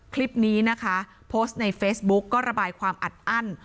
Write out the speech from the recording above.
คลิปนี้นะคะโพสต์ในเฟซบุ๊กก็ระบายความอัดอั้น